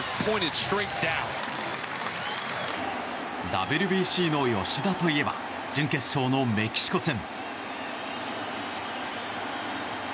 ＷＢＣの吉田といえば準決勝のメキシコ戦。